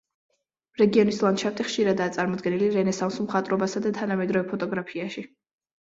რეგიონის ლანდშაფტი ხშირადაა წარმოდგენილი რენესანსულ მხატვრობასა და თანამედროვე ფოტოგრაფიაში.